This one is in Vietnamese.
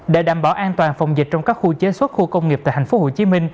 để đảm bảo an toàn phòng dịch trong các khu chế xuất khu công nghiệp tại tp hcm